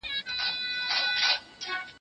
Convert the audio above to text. نه بارونه وړي نه بل څه ته په کار دی